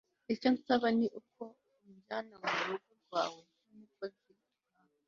icyo nsaba ni uko unjyana mu rugo rwawe, nk'umukozi, ukampa